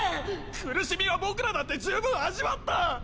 苦しみは僕らだって十分味わった！